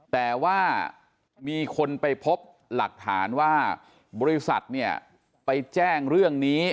แต่ว่ามีคนไปพบหลักฐานว่าบริษัทเนี่ยไปแจ้งเรื่องนี้